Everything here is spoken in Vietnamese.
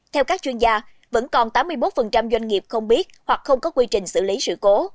theo các chuyên gia vẫn còn tám mươi một doanh nghiệp không biết hoặc không có quy trình xử lý sự cố